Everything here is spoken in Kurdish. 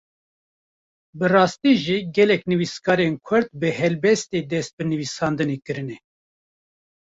Bi rastî jî gelek nivîskarên Kurd bi helbestê dest bi nivîsandinê kirine.